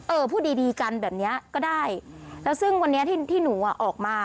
เออพูดดีกันแบบนี้ก็ได้แล้วซึ่งวันนี้ที่หนูออกมา